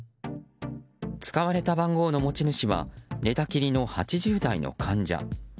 使われた番号の持ち主は寝たきりの８０代の患者。